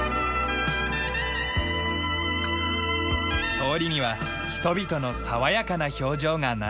通りには人々の爽やかな表情が並ぶ。